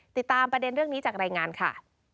ติดตามประเด็นเรื่องนี้จากรายงานค่ะ